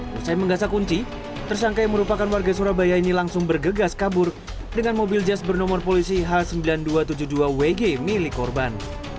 setelah menggasak kunci tersangka yang merupakan warga surabaya ini langsung bergegas kabur dengan mobil jas bernomor polisi h sembilan ribu dua ratus tujuh puluh dua wg milik korban